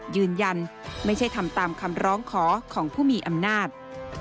ยืนยันไม่ใช่ทำตามคำร้องขอของผู้มีอำนาจ